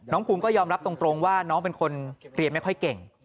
ภูมิก็ยอมรับตรงว่าน้องเป็นคนเรียนไม่ค่อยเก่ง